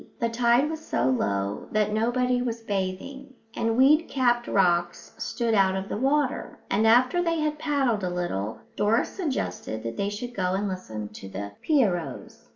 The tide was so low that nobody was bathing, and weed capped rocks stood out of the water; and after they had paddled a little Doris suggested that they should go and listen to the pierrots.